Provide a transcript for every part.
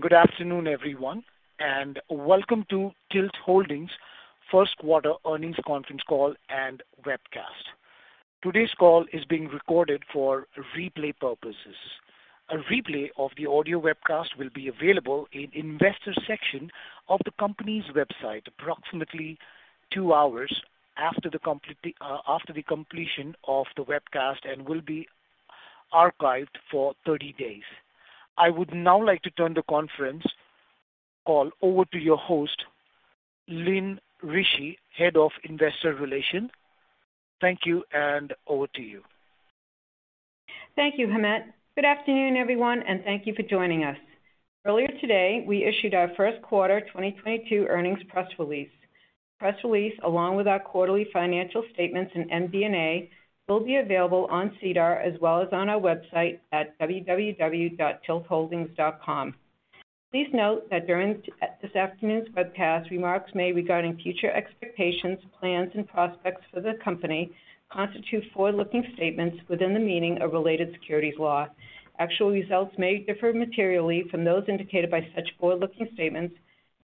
Good afternoon, everyone, and welcome to TILT Holdings first quarter earnings conference call and webcast. Today's call is being recorded for replay purposes. A replay of the audio webcast will be available in Investor section of the company's website approximately two hours after the completion of the webcast and will be archived for 30 days. I would now like to turn the conference call over to your host, Lynn Ricci, Head of Investor Relations. Thank you, and over to you. Thank you, Hemet. Good afternoon, everyone, and thank you for joining us. Earlier today, we issued our first quarter 2022 earnings press release. Press release, along with our quarterly financial statements and MD&A, will be available on SEDAR as well as on our website at www.tiltholdings.com. Please note that during this afternoon's webcast, remarks made regarding future expectations, plans, and prospects for the company constitute forward-looking statements within the meaning of related securities law. Actual results may differ materially from those indicated by such forward-looking statements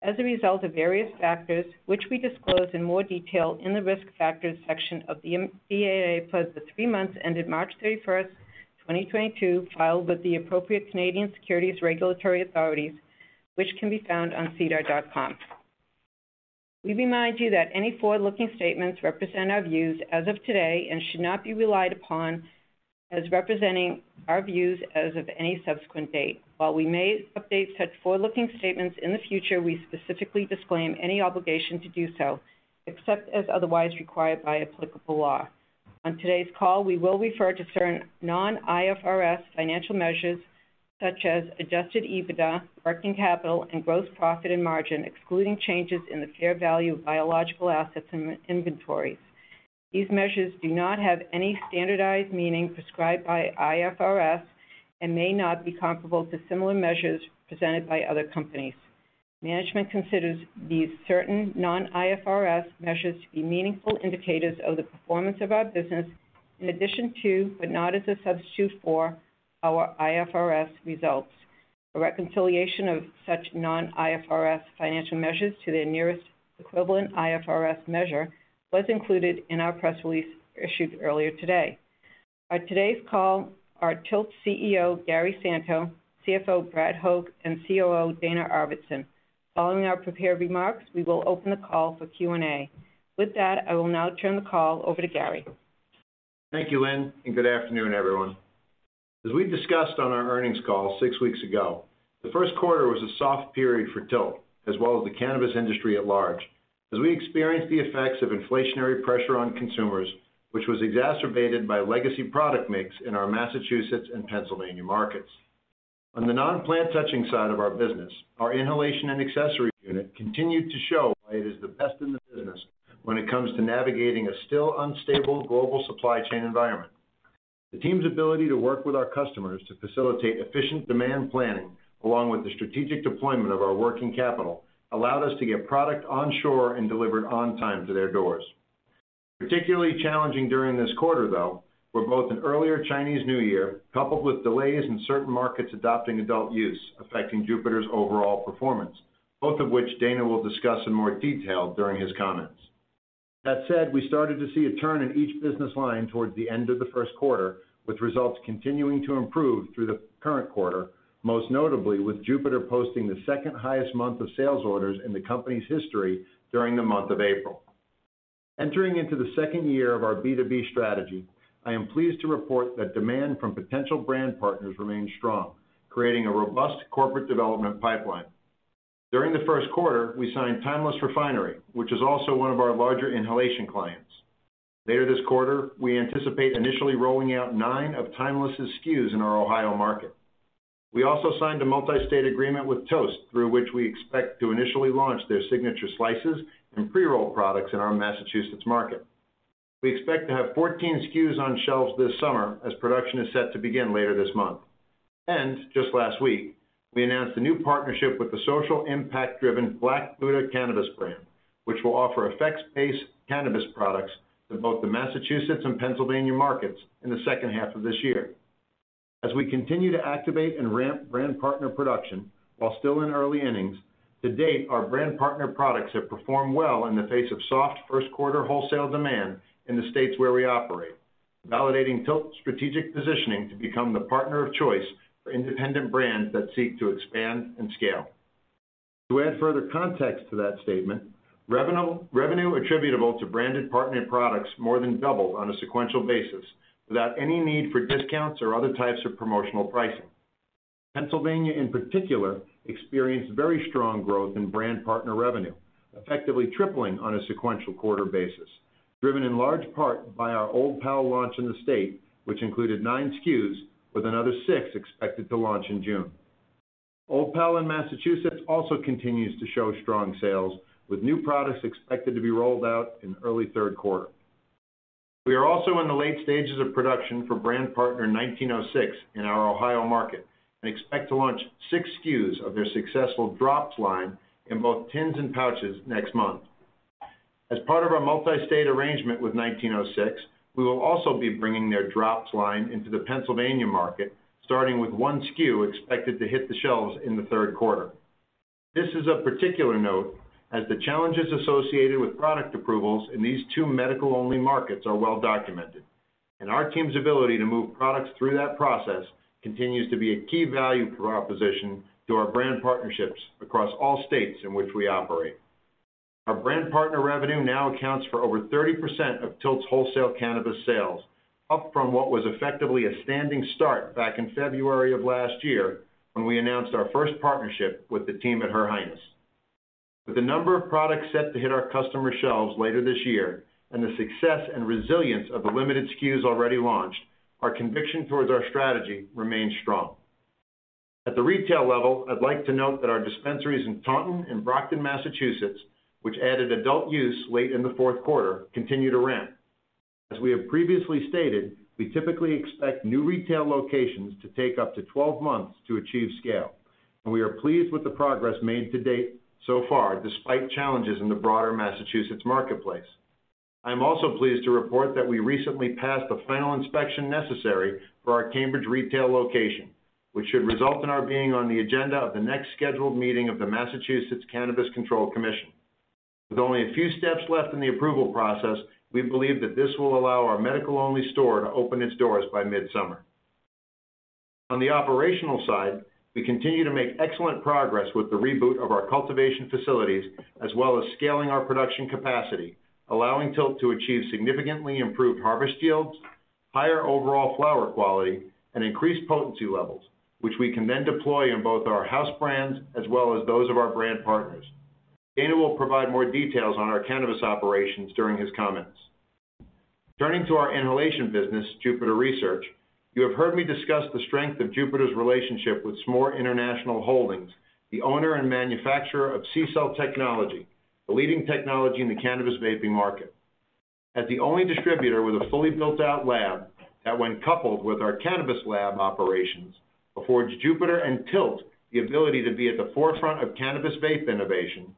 as a result of various factors, which we disclose in more detail in the Risk Factors section of the MD&A for the three months ended March 31st, 2022, filed with the appropriate Canadian securities regulatory authorities, which can be found on sedar.com. We remind you that any forward-looking statements represent our views as of today and should not be relied upon as representing our views as of any subsequent date. While we may update such forward-looking statements in the future, we specifically disclaim any obligation to do so, except as otherwise required by applicable law. On today's call, we will refer to certain non-IFRS financial measures, such as Adjusted EBITDA, working capital, and gross profit and margin excluding changes in the fair value of biological assets and inventory. These measures do not have any standardized meaning prescribed by IFRS and may not be comparable to similar measures presented by other companies. Management considers these certain non-IFRS measures to be meaningful indicators of the performance of our business in addition to, but not as a substitute for, our IFRS results. A reconciliation of such non-IFRS financial measures to their nearest equivalent IFRS measure was included in our press release issued earlier today. At today's call are TILT CEO Gary Santo, CFO Brad Hoch, and COO Dana Arvidson. Following our prepared remarks, we will open the call for Q&A. With that, I will now turn the call over to Gary. Thank you, Lynn, and good afternoon, everyone. As we discussed on our earnings call six weeks ago, the first quarter was a soft period for TILT, as well as the cannabis industry at large, as we experienced the effects of inflationary pressure on consumers, which was exacerbated by legacy product mix in our Massachusetts and Pennsylvania markets. On the non-plant touching side of our business, our inhalation and accessories unit continued to show why it is the best in the business when it comes to navigating a still unstable global supply chain environment. The team's ability to work with our customers to facilitate efficient demand planning, along with the strategic deployment of our working capital, allowed us to get product onshore and delivered on time to their doors. Particularly challenging during this quarter, though, were both an earlier Chinese New Year coupled with delays in certain markets adopting adult use, affecting Jupiter's overall performance, both of which Dana will discuss in more detail during his comments. That said, we started to see a turn in each business line towards the end of the first quarter, with results continuing to improve through the current quarter, most notably with Jupiter posting the second-highest month of sales orders in the company's history during the month of April. Entering into the second year of our B2B strategy, I am pleased to report that demand from potential brand partners remains strong, creating a robust corporate development pipeline. During the first quarter, we signed Timeless Refinery, which is also one of our larger inhalation clients. Later this quarter, we anticipate initially rolling out nine of Timeless' SKUs in our Ohio market. We also signed a multi-state agreement with Toast, through which we expect to initially launch their signature slices and pre-roll products in our Massachusetts market. We expect to have 14 SKUs on shelves this summer, as production is set to begin later this month. Just last week, we announced a new partnership with the social impact-driven Black Buddha Cannabis brand, which will offer effects-based cannabis products in both the Massachusetts and Pennsylvania markets in the second half of this year. As we continue to activate and ramp brand partner production while still in early innings, to date, our brand partner products have performed well in the face of soft first quarter wholesale demand in the states where we operate, validating TILT's strategic positioning to become the partner of choice for independent brands that seek to expand and scale. To add further context to that statement, revenue attributable to branded partner products more than doubled on a sequential basis without any need for discounts or other types of promotional pricing. Pennsylvania, in particular, experienced very strong growth in brand partner revenue, effectively tripling on a sequential quarter basis, driven in large part by our Old Pal launch in the state, which included nine SKUs, with another six expected to launch in June. Old Pal in Massachusetts also continues to show strong sales, with new products expected to be rolled out in early third quarter. We are also in the late stages of production for brand partner 1906 in our Ohio market and expect to launch six SKUs of their successful Drops line in both tins and pouches next month. As part of our multi-state arrangement with 1906, we will also be bringing their Drops line into the Pennsylvania market, starting with one SKU expected to hit the shelves in the third quarter. This is of particular note as the challenges associated with product approvals in these two medical-only markets are well documented, and our team's ability to move products through that process continues to be a key value for our position through our brand partnerships across all states in which we operate. Our brand partner revenue now accounts for over 30% of TILT's wholesale cannabis sales, up from what was effectively a standing start back in February of last year when we announced our first partnership with the team at Her Highness. With a number of products set to hit our customer shelves later this year and the success and resilience of the limited SKUs already launched, our conviction towards our strategy remains strong. At the retail level, I'd like to note that our dispensaries in Taunton and Brockton, Massachusetts, which added adult use late in the fourth quarter, continue to ramp. As we have previously stated, we typically expect new retail locations to take up to 12 months to achieve scale, and we are pleased with the progress made to date so far despite challenges in the broader Massachusetts marketplace. I am also pleased to report that we recently passed the final inspection necessary for our Cambridge retail location, which should result in our being on the agenda of the next scheduled meeting of the Massachusetts Cannabis Control Commission. With only a few steps left in the approval process, we believe that this will allow our medical-only store to open its doors by mid-summer. On the operational side, we continue to make excellent progress with the reboot of our cultivation facilities, as well as scaling our production capacity, allowing TILT to achieve significantly improved harvest yields, higher overall flower quality, and increased potency levels, which we can then deploy in both our house brands as well as those of our brand partners. Dana will provide more details on our cannabis operations during his comments. Turning to our inhalation business, Jupiter Research, you have heard me discuss the strength of Jupiter's relationship with Smoore International Holdings, the owner and manufacturer of CCELL Technology, the leading technology in the cannabis vaping market. As the only distributor with a fully built-out lab that when coupled with our cannabis lab operations, affords Jupiter and Tilt the ability to be at the forefront of cannabis vape innovation,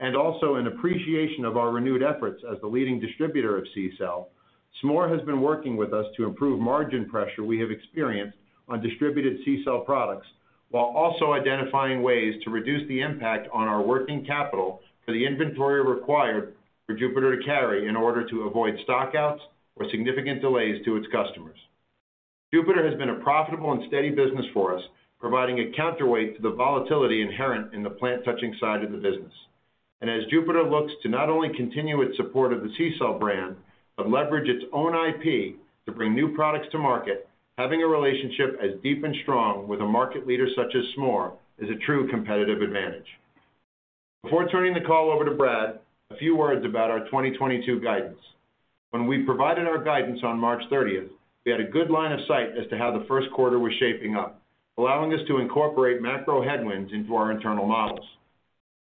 and also in appreciation of our renewed efforts as the leading distributor of CCELL, Smoore has been working with us to improve margin pressure we have experienced on distributed CCELL products while also identifying ways to reduce the impact on our working capital for the inventory required for Jupiter to carry in order to avoid stock-outs or significant delays to its customers. Jupiter has been a profitable and steady business for us, providing a counterweight to the volatility inherent in the plant-touching side of the business. As Jupiter looks to not only continue its support of the CCELL brand, but leverage its own IP to bring new products to market, having a relationship as deep and strong with a market leader such as Smoore is a true competitive advantage. Before turning the call over to Brad, a few words about our 2022 guidance. When we provided our guidance on March 30th, we had a good line of sight as to how the first quarter was shaping up, allowing us to incorporate macro headwinds into our internal models.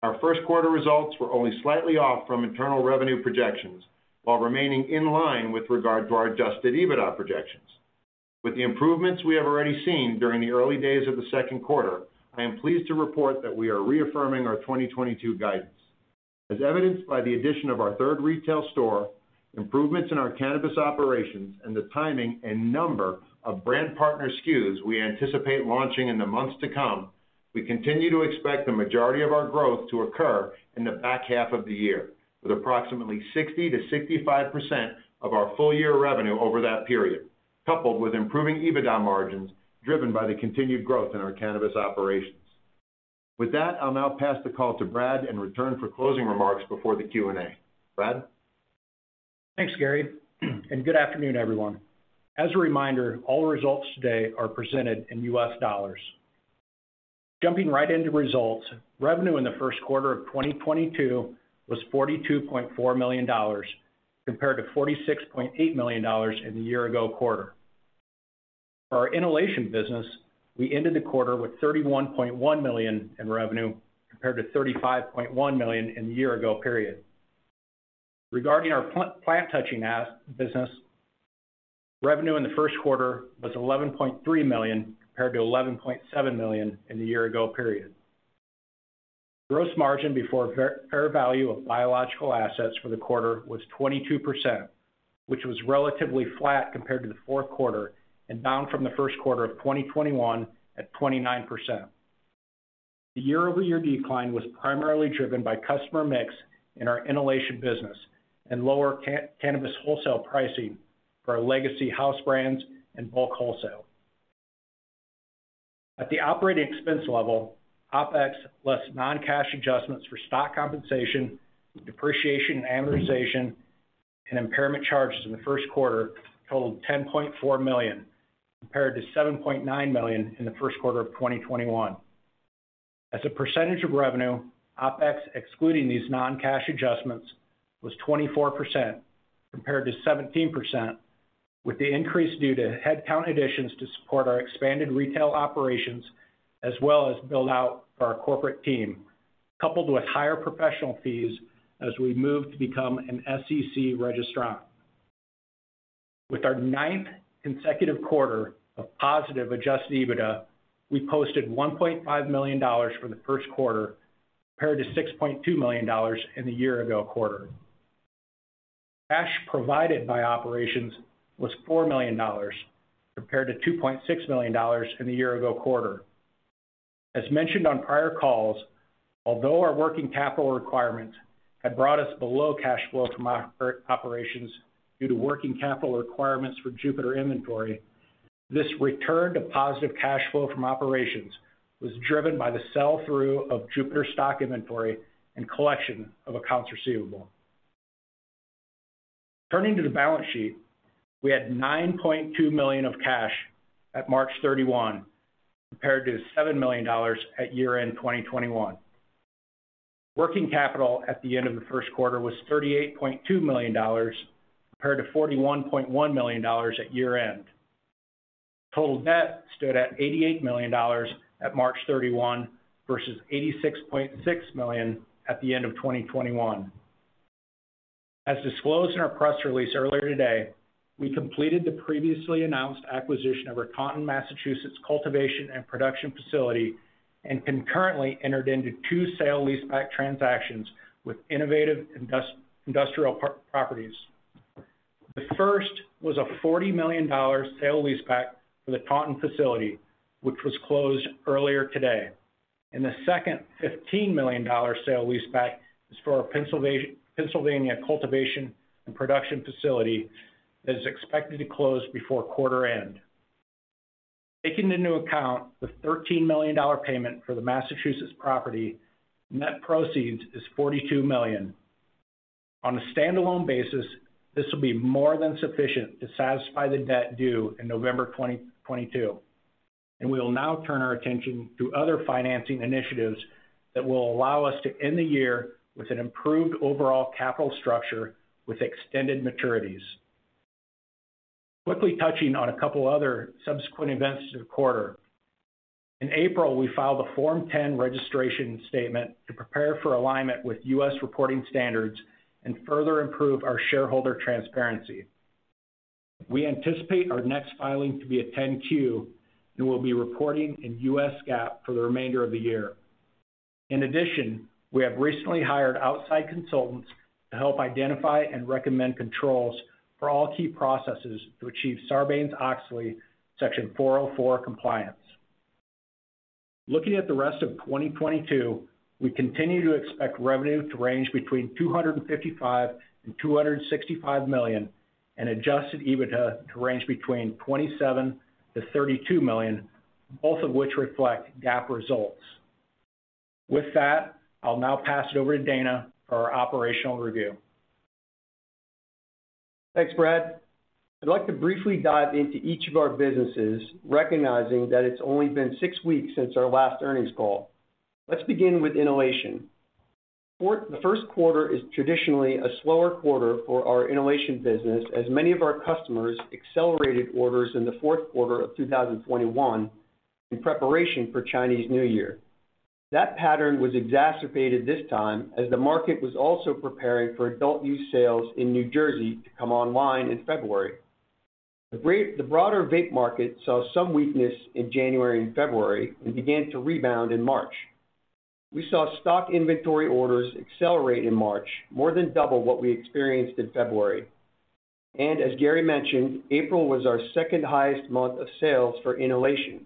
Our first quarter results were only slightly off from internal revenue projections while remaining in line with regard to our Adjusted EBITDA projections. With the improvements we have already seen during the early days of the second quarter, I am pleased to report that we are reaffirming our 2022 guidance. As evidenced by the addition of our third retail store, improvements in our cannabis operations, and the timing and number of brand partner SKUs we anticipate launching in the months to come, we continue to expect the majority of our growth to occur in the back half of the year, with approximately 60%-65% of our full-year revenue over that period, coupled with improving EBITDA margins driven by the continued growth in our cannabis operations. With that, I'll now pass the call to Brad and return for closing remarks before the Q&A. Brad? Thanks, Gary, and good afternoon, everyone. As a reminder, all results today are presented in U.S. dollars. Jumping right into results, revenue in the first quarter of 2022 was $42.4 million compared to $46.8 million in the year-ago quarter. For our inhalation business, we ended the quarter with $31.1 million in revenue compared to $35.1 million in the year-ago period. Regarding our plant-touching business, revenue in the first quarter was $11.3 million compared to $11.7 million in the year-ago period. Gross margin before fair value of biological assets for the quarter was 22%, which was relatively flat compared to the fourth quarter and down from the first quarter of 2021 at 29%. The year-over-year decline was primarily driven by customer mix in our inhalation business and lower cannabis wholesale pricing for our legacy house brands and bulk wholesale. At the operating expense level, OpEx less non-cash adjustments for stock compensation, depreciation, amortization, and impairment charges in the first quarter totaled $10.4 million compared to $7.9 million in the first quarter of 2021. As a percentage of revenue, OpEx excluding these non-cash adjustments was 24% compared to 17%, with the increase due to headcount additions to support our expanded retail operations as well as build out for our corporate team, coupled with higher professional fees as we move to become an SEC registrant. With our ninth consecutive quarter of positive Adjusted EBITDA, we posted $1.5 million for the first quarter compared to $6.2 million in the year ago quarter. Cash provided by operations was $4 million compared to $2.6 million in the year-ago quarter. As mentioned on prior calls, although our working capital requirements had brought us below cash flow from operations due to working capital requirements for Jupiter inventory, this return to positive cash flow from operations was driven by the sell-through of Jupiter stock inventory and collection of accounts receivable. Turning to the balance sheet, we had $9.2 million of cash at March 31, compared to $7 million at year-end 2021. Working capital at the end of the first quarter was $38.2 million compared to $41.1 million at year-end. Total debt stood at $88 million at March 31 versus $86.6 million at the end of 2021. As disclosed in our press release earlier today, we completed the previously announced acquisition of our Taunton, Massachusetts, cultivation and production facility and concurrently entered into two sale-leaseback transactions with Innovative Industrial Properties. The first was a $40 million sale-leaseback for the Taunton facility, which was closed earlier today. The second $15 million sale-leaseback is for our Pennsylvania cultivation and production facility that is expected to close before quarter end. Taking into account the $13 million payment for the Massachusetts property, net proceeds is $42 million. On a stand-alone basis, this will be more than sufficient to satisfy the debt due in November 2022, and we will now turn our attention to other financing initiatives that will allow us to end the year with an improved overall capital structure with extended maturities. Quickly touching on a couple other subsequent events of the quarter. In April, we filed a Form 10 registration statement to prepare for alignment with U.S. reporting standards and further improve our shareholder transparency. We anticipate our next filing to be a 10-Q, and we'll be reporting in U.S. GAAP for the remainder of the year. In addition, we have recently hired outside consultants to help identify and recommend controls for all key processes to achieve Sarbanes-Oxley Section 404 compliance. Looking at the rest of 2022, we continue to expect revenue to range between $255 million-$265 million and Adjusted EBITDA to range between $27 million-$32 million, both of which reflect GAAP results. With that, I'll now pass it over to Dana for our operational review. Thanks, Brad. I'd like to briefly dive into each of our businesses, recognizing that it's only been six weeks since our last earnings call. Let's begin with inhalation. The first quarter is traditionally a slower quarter for our inhalation business, as many of our customers accelerated orders in the fourth quarter of 2021 in preparation for Chinese New Year. That pattern was exacerbated this time as the market was also preparing for adult use sales in New Jersey to come online in February. The broader vape market saw some weakness in January and February and began to rebound in March. We saw stock inventory orders accelerate in March, more than double what we experienced in February. As Gary mentioned, April was our second-highest month of sales for inhalation.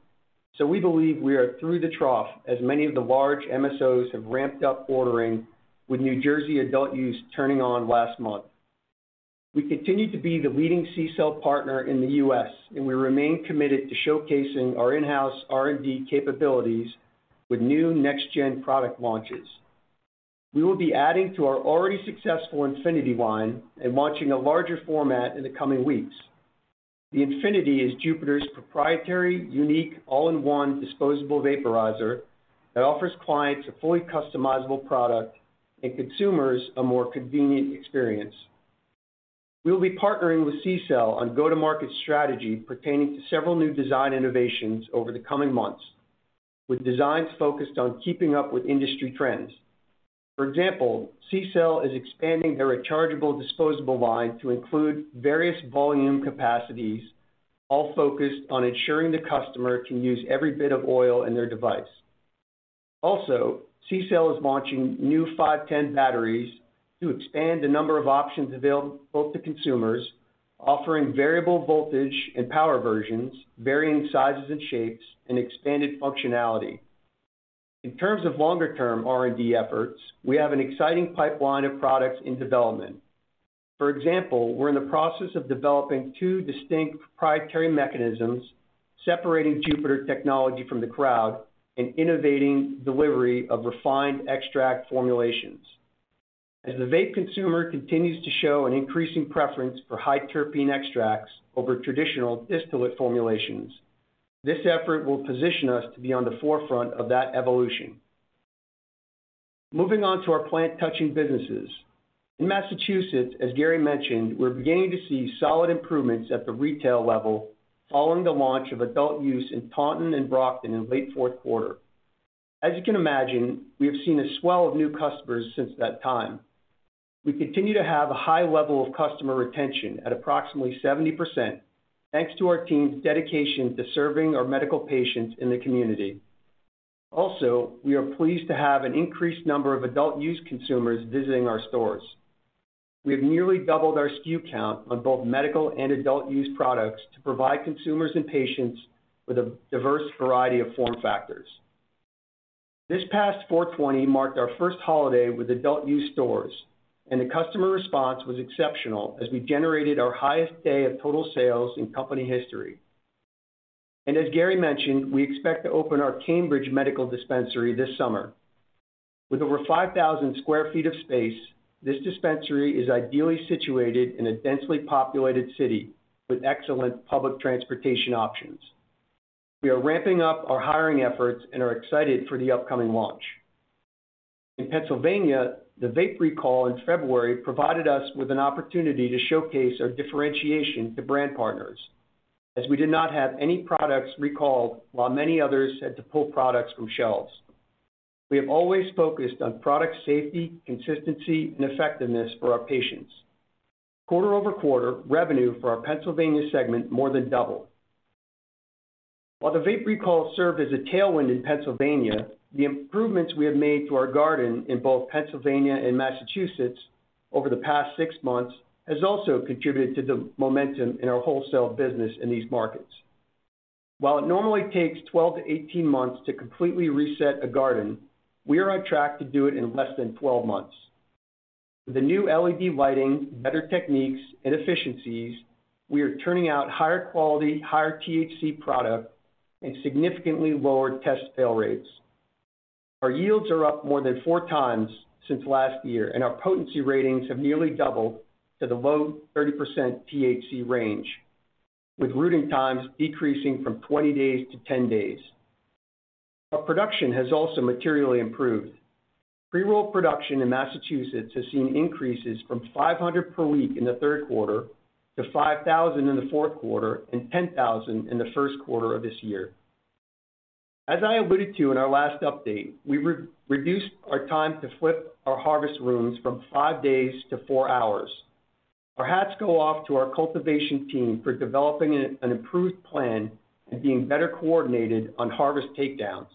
We believe we are through the trough as many of the large MSOs have ramped up ordering with New Jersey adult use turning on last month. We continue to be the leading CCELL partner in the U.S., and we remain committed to showcasing our in-house R&D capabilities with new next-gen product launches. We will be adding to our already successful Infinity line and launching a larger format in the coming weeks. The Infinity is Jupiter's proprietary, unique, all-in-one disposable vaporizer that offers clients a fully customizable product and consumers a more convenient experience. We will be partnering with CCELL on go-to-market strategy pertaining to several new design innovations over the coming months, with designs focused on keeping up with industry trends. For example, CCELL is expanding their rechargeable disposable line to include various volume capacities, all focused on ensuring the customer can use every bit of oil in their device. Also, CCELL is launching new 510 batteries to expand the number of options available both to consumers, offering variable voltage and power versions, varying sizes and shapes, and expanded functionality. In terms of longer-term R&D efforts, we have an exciting pipeline of products in development. For example, we're in the process of developing two distinct proprietary mechanisms, separating Jupiter technology from the crowd and innovating delivery of refined extract formulations. As the vape consumer continues to show an increasing preference for high terpene extracts over traditional distillate formulations, this effort will position us to be on the forefront of that evolution. Moving on to our plant-touching businesses. In Massachusetts, as Gary mentioned, we're beginning to see solid improvements at the retail level following the launch of adult use in Taunton and Brockton in late fourth quarter. As you can imagine, we have seen a swell of new customers since that time. We continue to have a high level of customer retention at approximately 70%, thanks to our team's dedication to serving our medical patients in the community. Also, we are pleased to have an increased number of adult use consumers visiting our stores. We have nearly doubled our SKU count on both medical and adult use products to provide consumers and patients with a diverse variety of form factors. This past 4/20 marked our first holiday with adult use stores, and the customer response was exceptional as we generated our highest day of total sales in company history. As Gary mentioned, we expect to open our Cambridge medical dispensary this summer. With over 5,000 sq ft of space, this dispensary is ideally situated in a densely populated city with excellent public transportation options. We are ramping up our hiring efforts and are excited for the upcoming launch. In Pennsylvania, the vape recall in February provided us with an opportunity to showcase our differentiation to brand partners as we did not have any products recalled while many others had to pull products from shelves. We have always focused on product safety, consistency and effectiveness for our patients. Quarter-over-quarter, revenue for our Pennsylvania segment more than doubled. While the vape recall served as a tailwind in Pennsylvania, the improvements we have made to our garden in both Pennsylvania and Massachusetts over the past six months has also contributed to the momentum in our wholesale business in these markets. While it normally takes 12 months-18 months to completely reset a garden, we are on track to do it in less than 12 months. With the new LED lighting, better techniques and efficiencies, we are turning out higher quality, higher THC product and significantly lower test fail rates. Our yields are up more than four times since last year, and our potency ratings have nearly doubled to the low 30% THC range, with rooting times decreasing from 20 days to 10 days. Our production has also materially improved. Pre-roll production in Massachusetts has seen increases from 500 per week in the third quarter to 5,000 in the fourth quarter and 10,000 in the first quarter of this year. As I alluded to in our last update, we reduced our time to flip our harvest rooms from five days to four hours. Our hats go off to our cultivation team for developing an improved plan and being better coordinated on harvest takedowns.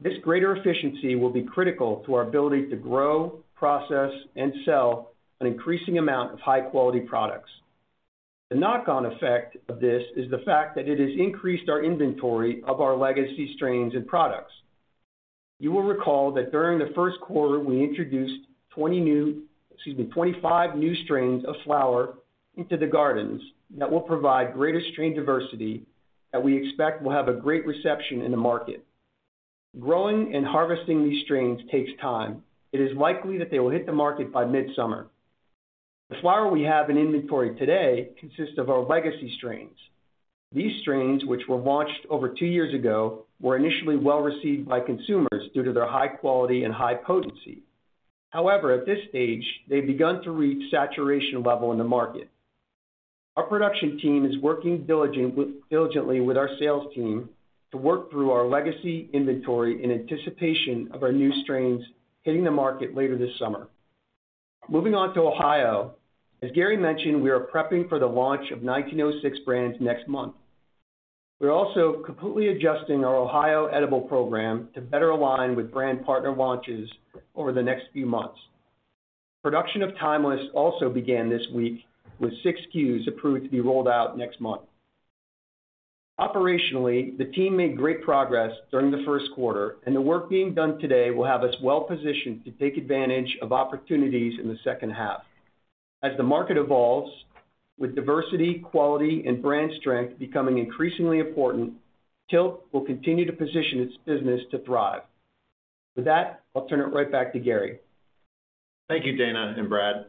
This greater efficiency will be critical to our ability to grow, process, and sell an increasing amount of high-quality products. The knock-on effect of this is the fact that it has increased our inventory of our legacy strains and products. You will recall that during the first quarter we introduced 25 new strains of flower into the gardens that will provide greater strain diversity that we expect will have a great reception in the market. Growing and harvesting these strains takes time. It is likely that they will hit the market by mid-summer. The flower we have in inventory today consists of our legacy strains. These strains, which were launched over two years ago, were initially well-received by consumers due to their high quality and high potency. However, at this stage, they've begun to reach saturation level in the market. Our production team is working diligently with our sales team to work through our legacy inventory in anticipation of our new strains hitting the market later this summer. Moving on to Ohio, as Gary mentioned, we are prepping for the launch of 1906 brands next month. We're also completely adjusting our Ohio edible program to better align with brand partner launches over the next few months. Production of Timeless also began this week, with six SKUs approved to be rolled out next month. Operationally, the team made great progress during the first quarter, and the work being done today will have us well-positioned to take advantage of opportunities in the second half. As the market evolves with diversity, quality, and brand strength becoming increasingly important, TILT will continue to position its business to thrive. With that, I'll turn it right back to Gary. Thank you, Dana and Brad.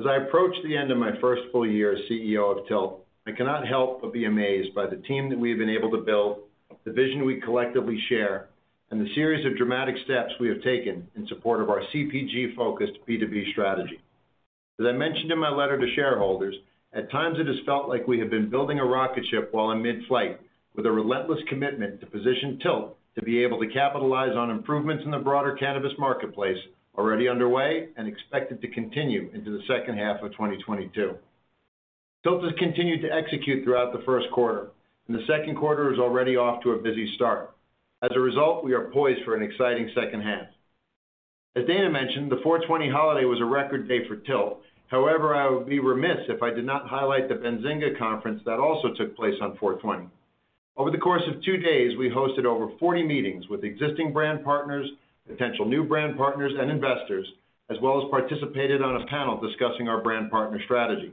As I approach the end of my first full year as CEO of TILT, I cannot help but be amazed by the team that we have been able to build, the vision we collectively share, and the series of dramatic steps we have taken in support of our CPG-focused B2B strategy. As I mentioned in my letter to shareholders, at times it has felt like we have been building a rocket ship while in mid-flight with a relentless commitment to position TILT to be able to capitalize on improvements in the broader cannabis marketplace already underway and expected to continue into the second half of 2022. TILT has continued to execute throughout the first quarter, and the second quarter is already off to a busy start. As a result, we are poised for an exciting second half. As Dana mentioned, the 4/20 holiday was a record day for TILT. However, I would be remiss if I did not highlight the Benzinga Conference that also took place on 4/20. Over the course of two days, we hosted over 40 meetings with existing brand partners, potential new brand partners, and investors, as well as participated on a panel discussing our brand partner strategy.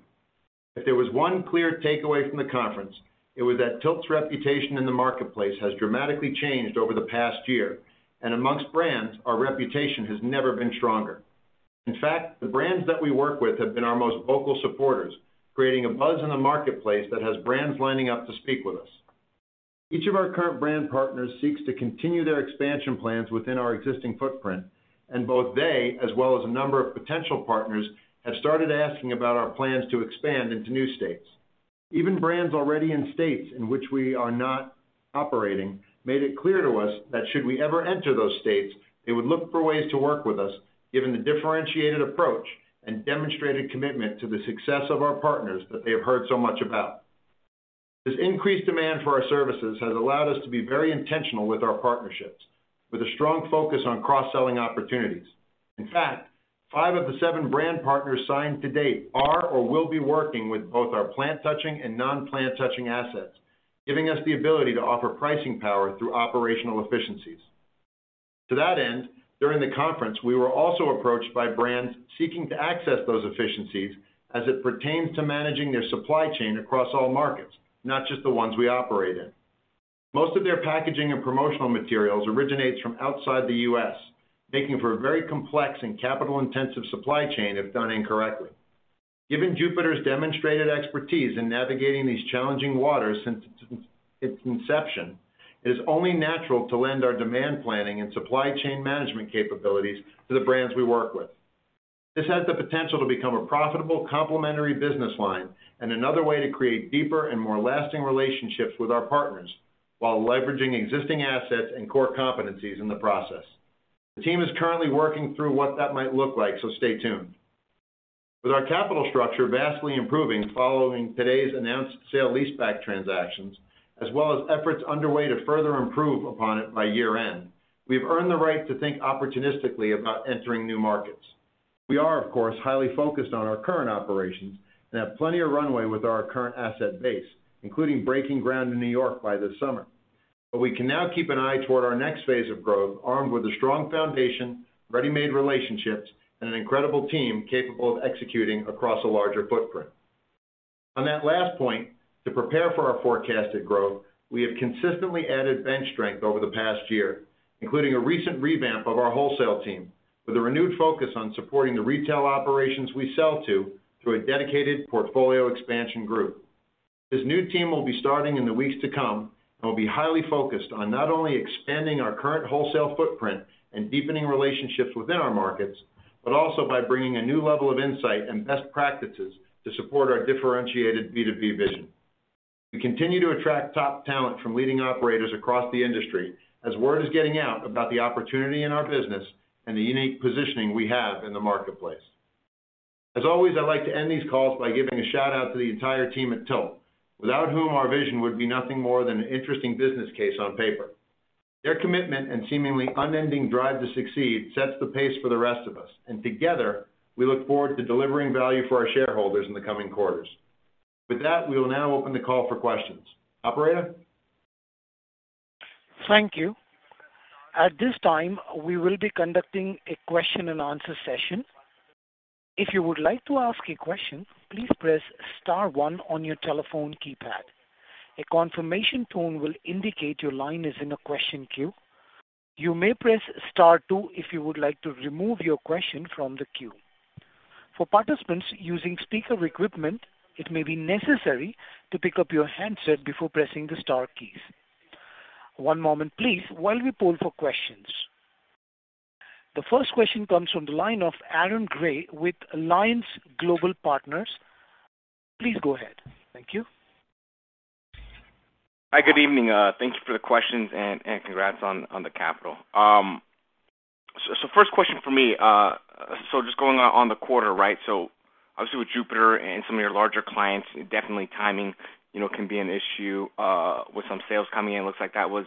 If there was one clear takeaway from the conference, it was that TILT's reputation in the marketplace has dramatically changed over the past year, and amongst brands, our reputation has never been stronger. In fact, the brands that we work with have been our most vocal supporters, creating a buzz in the marketplace that has brands lining up to speak with us. Each of our current brand partners seeks to continue their expansion plans within our existing footprint, and both they, as well as a number of potential partners, have started asking about our plans to expand into new states. Even brands already in states in which we are not operating made it clear to us that should we ever enter those states, they would look for ways to work with us given the differentiated approach and demonstrated commitment to the success of our partners that they have heard so much about. This increased demand for our services has allowed us to be very intentional with our partnerships, with a strong focus on cross-selling opportunities. In fact, five of the seven brand partners signed to date are or will be working with both our plant-touching and non-plant-touching assets, giving us the ability to offer pricing power through operational efficiencies. To that end, during the conference, we were also approached by brands seeking to access those efficiencies as it pertains to managing their supply chain across all markets, not just the ones we operate in. Most of their packaging and promotional materials originates from outside the U.S., making for a very complex and capital-intensive supply chain if done incorrectly. Given Jupiter's demonstrated expertise in navigating these challenging waters since its inception, it is only natural to lend our demand planning and supply chain management capabilities to the brands we work with. This has the potential to become a profitable complementary business line and another way to create deeper and more lasting relationships with our partners while leveraging existing assets and core competencies in the process. The team is currently working through what that might look like, so stay tuned. With our capital structure vastly improving following today's announced sale-leaseback transactions, as well as efforts underway to further improve upon it by year-end, we've earned the right to think opportunistically about entering new markets. We are, of course, highly focused on our current operations and have plenty of runway with our current asset base, including breaking ground in New York by this summer. We can now keep an eye toward our next phase of growth, armed with a strong foundation, ready-made relationships, and an incredible team capable of executing across a larger footprint. On that last point, to prepare for our forecasted growth, we have consistently added bench strength over the past year, including a recent revamp of our wholesale team with a renewed focus on supporting the retail operations we sell to through a dedicated portfolio expansion group. This new team will be starting in the weeks to come and will be highly focused on not only expanding our current wholesale footprint and deepening relationships within our markets, but also by bringing a new level of insight and best practices to support our differentiated B2B vision. We continue to attract top talent from leading operators across the industry as word is getting out about the opportunity in our business and the unique positioning we have in the marketplace. As always, I'd like to end these calls by giving a shout-out to the entire team at TILT, without whom our vision would be nothing more than an interesting business case on paper. Their commitment and seemingly unending drive to succeed sets the pace for the rest of us, and together, we look forward to delivering value for our shareholders in the coming quarters. With that, we will now open the call for questions. Operator? Thank you. At this time, we will be conducting a question-and-answer session. If you would like to ask a question, please press star one on your telephone keypad. A confirmation tone will indicate your line is in a question queue. You may press star two if you would like to remove your question from the queue. For participants using speaker equipment, it may be necessary to pick up your handset before pressing the star keys. One moment please while we poll for questions. The first question comes from the line of Aaron Grey with Alliance Global Partners. Please go ahead. Thank you. Hi, good evening. Thank you for the questions and congrats on the capital. First question from me. Just going on the quarter, right? Obviously, with Jupiter and some of your larger clients, definitely timing, you know, can be an issue, with some sales coming in. Looks like that was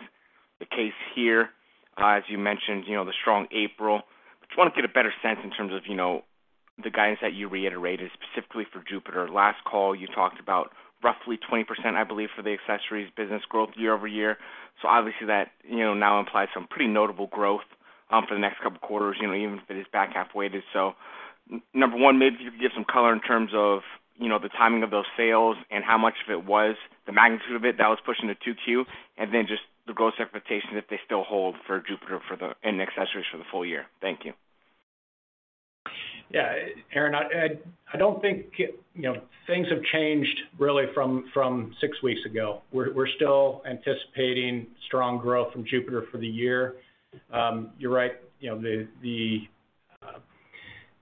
the case here. As you mentioned, you know, the strong April. Just want to get a better sense in terms of, you know, the guidance that you reiterated specifically for Jupiter. Last call, you talked about roughly 20%, I believe, for the accessories business growth year-over-year. Obviously that, you know, now implies some pretty notable growth, for the next couple of quarters, you know, even if it is back half weighted. Number one, maybe if you could give some color in terms of, you know, the timing of those sales and how much of it was the magnitude of it that was pushing to 2Q. Then just the growth expectation, if they still hold for Jupiter and the accessories for the full year. Thank you. Yeah. Aaron, I don't think, you know, things have changed really from six weeks ago. We're still anticipating strong growth from Jupiter for the year. You're right, you know,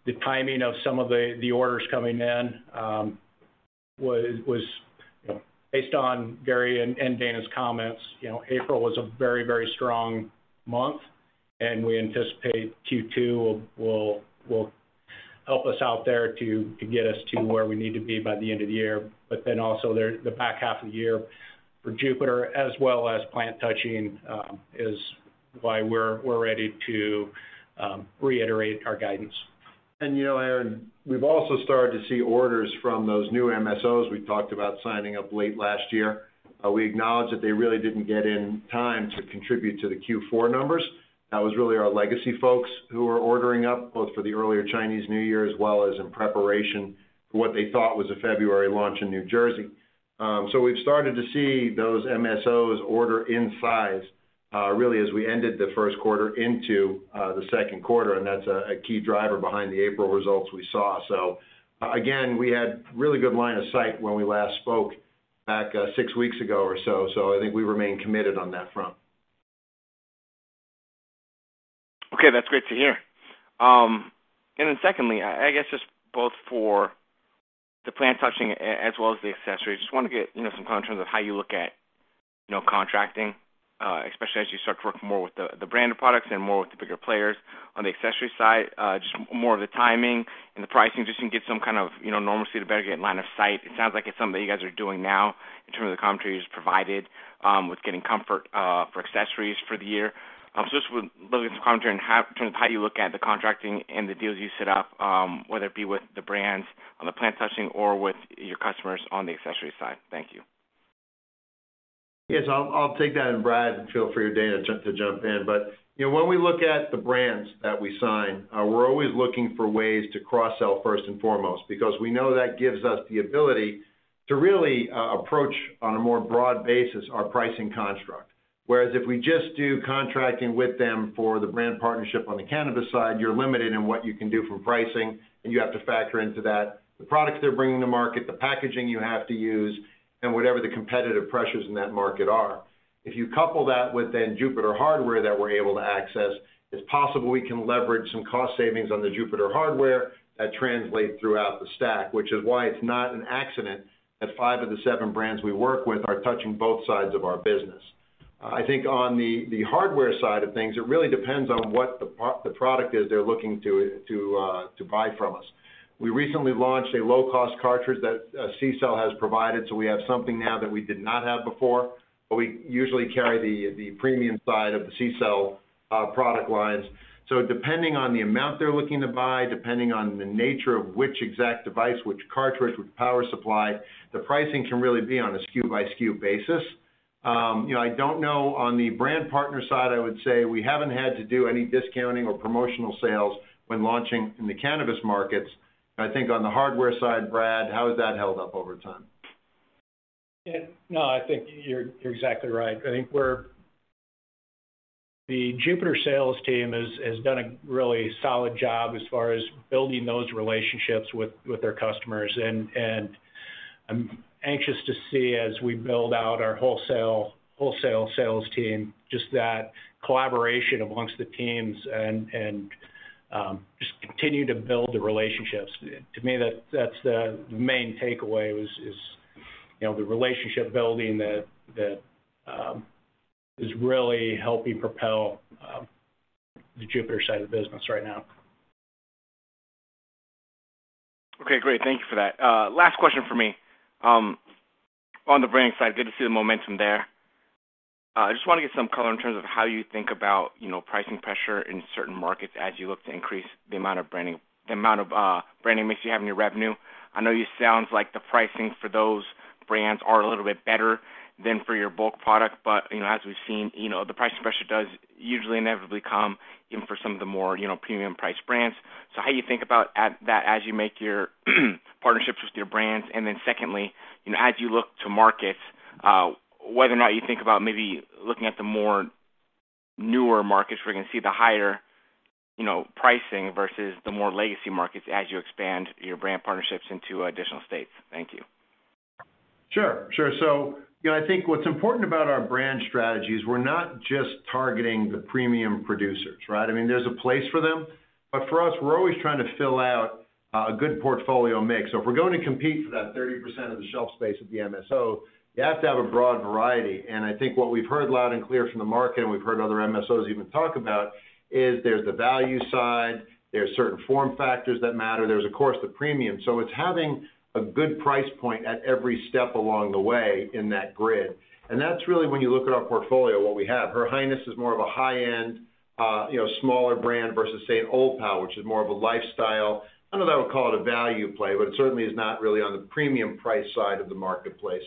the timing of some of the orders coming in was based on Gary and Dana's comments. You know, April was a very strong month, and we anticipate Q2 will help us out there to get us to where we need to be by the end of the year. Also the back half of the year for Jupiter as well as plant touching is why we're ready to reiterate our guidance. You know, Aaron, we've also started to see orders from those new MSOs we talked about signing up late last year. We acknowledge that they really didn't get in time to contribute to the Q4 numbers. That was really our legacy folks who were ordering up both for the earlier Chinese New Year as well as in preparation for what they thought was a February launch in New Jersey. We've started to see those MSOs order in size, really as we ended the first quarter into the second quarter, and that's a key driver behind the April results we saw. Again, we had really good line of sight when we last spoke back six weeks ago or so. I think we remain committed on that front. Okay, that's great to hear. Secondly, I guess just both for the plant-touching as well as the accessories, just wanna get, you know, some comments in terms of how you look at, you know, contracting, especially as you start to work more with the branded products and more with the bigger players on the accessory side, just more of the timing and the pricing, just so we can get some kind of, you know, normalcy to better get line of sight. It sounds like it's something that you guys are doing now in terms of the commentary you just provided, with getting comfort for accessories for the year. So just looking for some commentary on how. In terms of how you look at the contracting and the deals you set up, whether it be with the brands on the plant touching or with your customers on the accessories side. Thank you. Yes, I'll take that, and Brad, feel free or Dana to jump in. You know, when we look at the brands that we sign, we're always looking for ways to cross-sell first and foremost because we know that gives us the ability to really approach on a more broad basis our pricing construct. Whereas if we just do contracting with them for the brand partnership on the cannabis side, you're limited in what you can do for pricing, and you have to factor into that the products they're bringing to market, the packaging you have to use, and whatever the competitive pressures in that market are. If you couple that with the Jupiter hardware that we're able to access, it's possible we can leverage some cost savings on the Jupiter hardware that translate throughout the stack, which is why it's not an accident that five of the seven brands we work with are touching both sides of our business. I think on the hardware side of things, it really depends on what the product is they're looking to buy from us. We recently launched a low-cost cartridge that CCELL has provided, so we have something now that we did not have before. We usually carry the premium side of the CCELL product lines. Depending on the amount they're looking to buy, depending on the nature of which exact device, which cartridge, which power supply, the pricing can really be on a SKU by SKU basis. You know, I don't know on the brand partner side, I would say we haven't had to do any discounting or promotional sales when launching in the cannabis markets. I think on the hardware side, Brad, how has that held up over time? Yeah. No, I think you're exactly right. I think we're. The Jupiter sales team has done a really solid job as far as building those relationships with their customers. I'm anxious to see as we build out our wholesale sales team, just that collaboration among the teams and just continue to build the relationships. To me, that's the main takeaway is, you know, the relationship building that is really helping propel the Jupiter side of the business right now. Okay, great. Thank you for that. Last question from me. On the branding side, good to see the momentum there. Just wanna get some color in terms of how you think about, you know, pricing pressure in certain markets as you look to increase the amount of branding, the amount of, branding mix you have in your revenue. I know it sounds like the pricing for those brands are a little bit better than for your bulk product. You know, as we've seen, you know, the pricing pressure does usually inevitably come even for some of the more, you know, premium priced brands. How you think about that as you make your partnerships with your brands. Secondly, you know, as you look to markets, whether or not you think about maybe looking at the more newer markets where you can see the higher, you know, pricing versus the more legacy markets as you expand your brand partnerships into additional states. Thank you. Sure. You know, I think what's important about our brand strategy is we're not just targeting the premium producers, right? I mean, there's a place for them, but for us, we're always trying to fill out a good portfolio mix. If we're going to compete for that 30% of the shelf space at the MSO, you have to have a broad variety. I think what we've heard loud and clear from the market, and we've heard other MSOs even talk about, is there's the value side, there's certain form factors that matter. There's, of course, the premium. It's having a good price point at every step along the way in that grid. That's really when you look at our portfolio, what we have. Her Highness is more of a high-end, you know, smaller brand versus say, Old Pal, which is more of a lifestyle. I don't know if I would call it a value play, but it certainly is not really on the premium price side of the marketplace.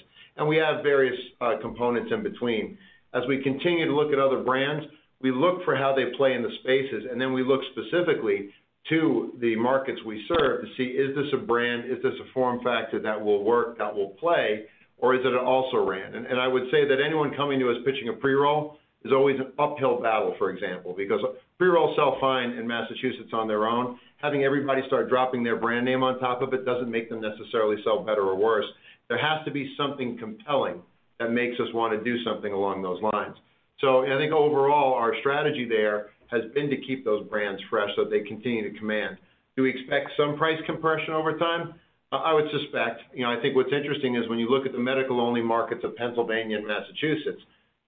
We have various components in between. As we continue to look at other brands, we look for how they play in the spaces, and then we look specifically to the markets we serve to see, is this a brand? Is this a form factor that will work, that will play, or is it an also-ran? I would say that anyone coming to us pitching a pre-roll is always an uphill battle, for example, because pre-rolls sell fine in Massachusetts on their own. Having everybody start dropping their brand name on top of it doesn't make them necessarily sell better or worse. There has to be something compelling that makes us wanna do something along those lines. I think overall, our strategy there has been to keep those brands fresh so that they continue to command. Do we expect some price compression over time? I would suspect. You know, I think what's interesting is when you look at the medical-only markets of Pennsylvania and Massachusetts,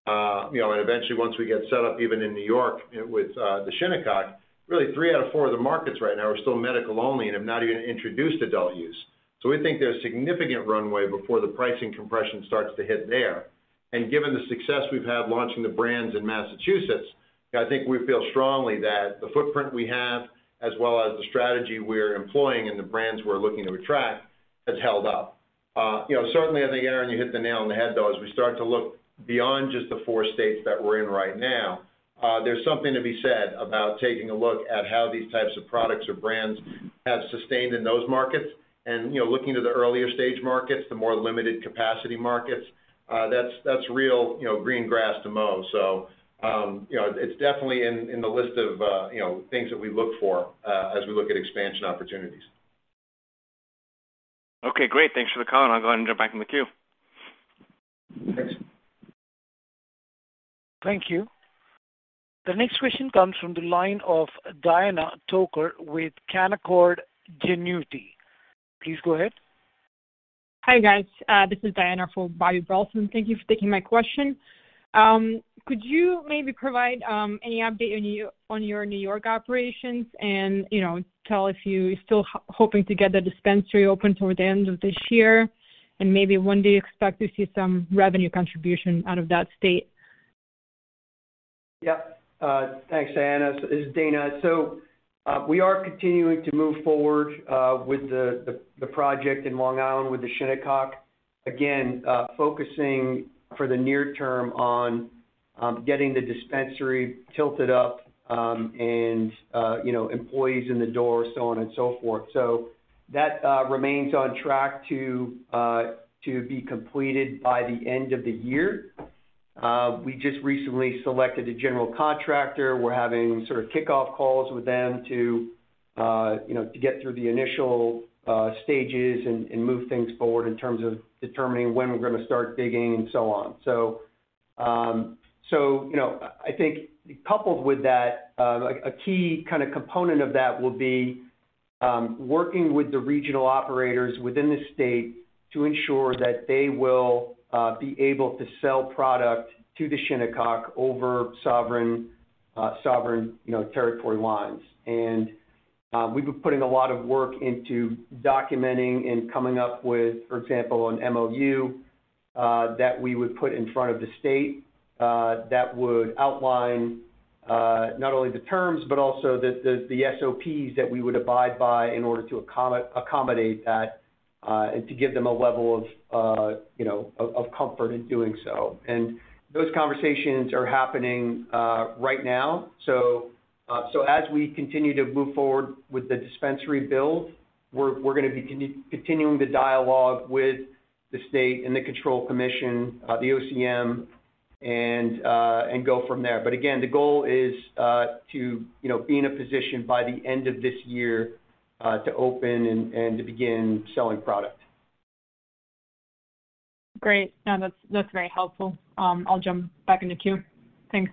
you know, and eventually once we get set up even in New York with the Shinnecock, really three out of four of the markets right now are still medical only and have not even introduced adult use. We think there's significant runway before the pricing compression starts to hit there. Given the success we've had launching the brands in Massachusetts, I think we feel strongly that the footprint we have, as well as the strategy we're employing and the brands we're looking to attract, has held up. You know, certainly, I think, Aaron, you hit the nail on the head, though, as we start to look beyond just the four states that we're in right now, there's something to be said about taking a look at how these types of products or brands have sustained in those markets. You know, looking to the earlier stage markets, the more limited capacity markets, that's real, you know, green grass to mow. You know, it's definitely in the list of, you know, things that we look for, as we look at expansion opportunities. Okay, great. Thanks for the call. I'll go ahead and jump back in the queue. Thanks. Thank you. The next question comes from the line of Bobby Burleson with Canaccord Genuity. Please go ahead. Hi, guys. This is Diana for Bobby Burleson. Thank you for taking my question. Could you maybe provide any update on your New York operations and, you know, tell if you are still hoping to get the dispensary open toward the end of this year, and maybe when do you expect to see some revenue contribution out of that state? Yeah. Thanks, Diana. This is Dana. We are continuing to move forward with the project in Long Island with the Shinnecock. Again, focusing for the near term on getting the dispensary tilted up, and you know, employees in the door, so on and so forth. That remains on track to be completed by the end of the year. We just recently selected a general contractor. We're having sort of kickoff calls with them to you know, to get through the initial stages and move things forward in terms of determining when we're gonna start digging and so on. You know, I think coupled with that, like a key kind of component of that will be working with the regional operators within the state to ensure that they will be able to sell product to the Shinnecock over sovereign territory lines. We've been putting a lot of work into documenting and coming up with, for example, an MOU that we would put in front of the state that would outline not only the terms, but also the SOPs that we would abide by in order to accommodate that and to give them a level of you know, of comfort in doing so. Those conversations are happening right now. As we continue to move forward with the dispensary build, we're gonna be continuing the dialogue with the state and the control commission, the OCM and go from there. Again, the goal is to, you know, be in a position by the end of this year to open and to begin selling product. Great. No, that's very helpful. I'll jump back in the queue. Thanks.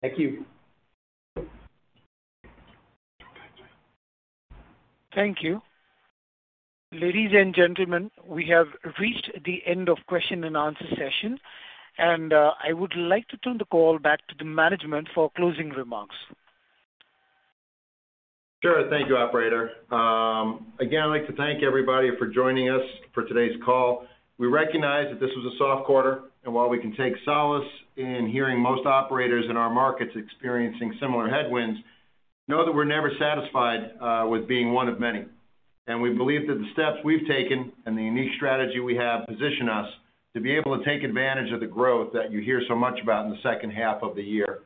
Thank you. Thank you. Ladies and gentlemen, we have reached the end of question and answer session, and I would like to turn the call back to the management for closing remarks. Sure. Thank you, Operator. Again, I'd like to thank everybody for joining us for today's call. We recognize that this was a soft quarter, and while we can take solace in hearing most operators in our markets experiencing similar headwinds, know that we're never satisfied with being one of many. We believe that the steps we've taken and the unique strategy we have position us to be able to take advantage of the growth that you hear so much about in the second half of the year.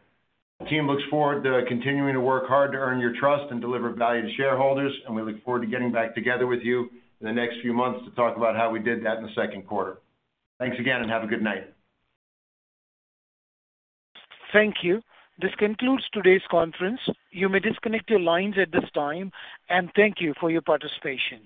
The team looks forward to continuing to work hard to earn your trust and deliver value to shareholders, and we look forward to getting back together with you in the next few months to talk about how we did that in the second quarter. Thanks again, and have a good night. Thank you. This concludes today's conference. You may disconnect your lines at this time, and thank you for your participation.